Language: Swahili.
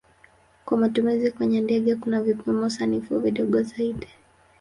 Kwa matumizi kwenye ndege kuna vipimo sanifu vidogo zaidi.